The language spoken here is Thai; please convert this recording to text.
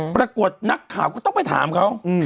ปรากฏนักข่าวก็ต้องไปถามเขา